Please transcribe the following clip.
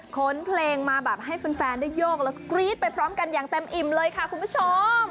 เพลงมาแบบให้แฟนได้โยกแล้วก็กรี๊ดไปพร้อมกันอย่างเต็มอิ่มเลยค่ะคุณผู้ชม